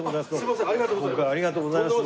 今回ありがとうございます。